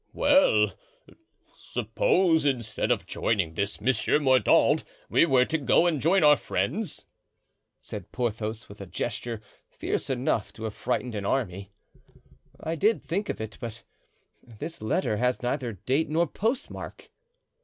"Well, suppose instead of joining this Monsieur Mordaunt we were to go and join our friends?" said Porthos, with a gesture fierce enough to have frightened an army. "I did think of it, but this letter has neither date nor postmark."